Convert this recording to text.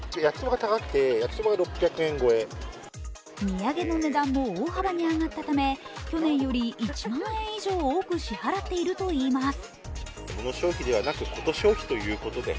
土産の値段も大幅に上がったため去年より１万円以上多く支払っているといいます。